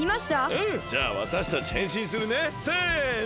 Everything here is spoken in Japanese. うんじゃあわたしたちへんしんするね。せの！